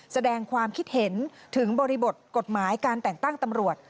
แสดงความคิดเห็นถึงบริบทกฎหมายการแต่งตั้งตำรวจ